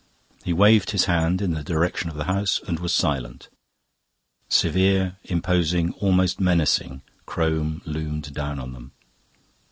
He waved his hand in the direction of the house and was silent, severe, imposing, almost menacing, Crome loomed down on them.